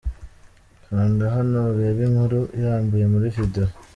Kanda hano urebe inkuru irambuye muri Video.